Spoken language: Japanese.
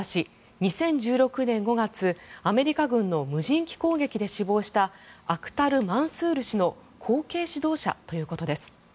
２０１６年５月アメリカ軍の無人攻撃機で死亡したアクタール・マンスール氏の後継指導者ということです。